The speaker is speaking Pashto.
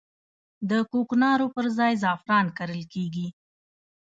د کوکنارو پر ځای زعفران کرل کیږي